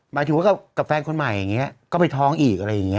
หมายถึงว่ากับแฟนคนใหม่อย่างนี้ก็ไปท้องอีกอะไรอย่างนี้